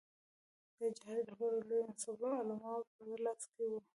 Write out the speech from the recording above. د جهاد رهبري د لویو مذهبي علماوو په لاس کې وه.